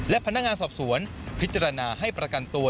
และพนักงานสอบสวนพิจารณาให้ประกันตัว